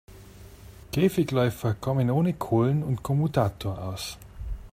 Käfigläufer kommen ohne Kohlen und Kommutator aus.